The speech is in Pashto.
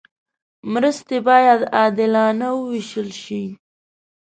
مرستې باید عادلانه وویشل شي.